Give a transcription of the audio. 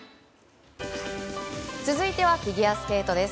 続いてはフィギュアスケートです。